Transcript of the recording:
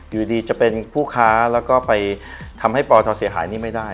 อยู่ดีจะเป็นผู้ค้าแล้วก็ไปทำให้ปตเสียหายนี่ไม่ได้